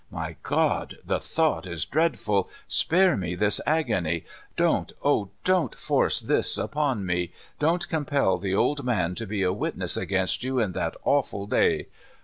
My God the thought is dreadful! Spare me this agony. Do n't, do n't force this upon me ! Bo n't com pel the old man to be a witness against you in that awful day!